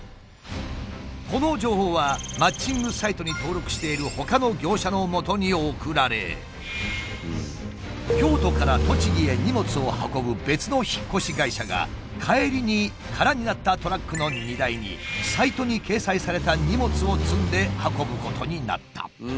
この情報はマッチングサイトに登録しているほかの業者のもとに送られ京都から栃木へ荷物を運ぶ別の引っ越し会社が帰りに空になったトラックの荷台にサイトに掲載された荷物を積んで運ぶことになった。